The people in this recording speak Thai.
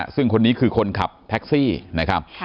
ซึ่งคนนี้คือคนขับแท็กซี่นะครับ